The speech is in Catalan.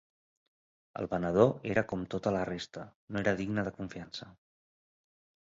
El venedor era com tota la resta, no era digne de confiança.